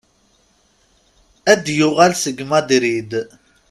Ad d-iwelli seg Madrid?